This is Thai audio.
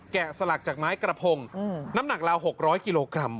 สลักจากไม้กระพงน้ำหนักราว๖๐๐กิโลกรัม